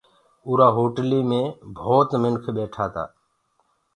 اُرآ هوٽليٚ مي ڀوت منک ٻيٺآ تآ